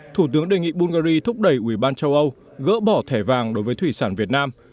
thủ tướng đề nghị bulgari thúc đẩy ủy ban châu âu gỡ bỏ thẻ vàng đối với thủy sản việt nam